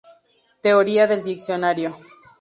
Teoría del Diccionario.